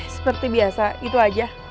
seperti biasa itu aja